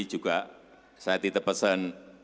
juga saya tidak pesan